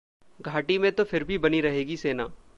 घाटी में तो फिर भी बनी रहेगी सेना